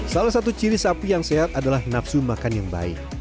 salah satu ciri sapi yang sehat adalah nafsu makan yang baik